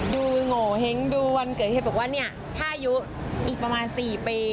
ดูโหน่เฮ้งดูวันเกิดเห็นแบบว่าเนี่ยถ้าอยู่อีกประมาณ๔ปี